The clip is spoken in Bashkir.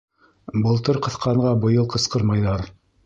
Былтыр ҡыҫҡанға быйыл ҡысҡырмайҙар.